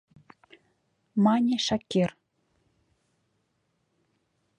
— мане Шакир.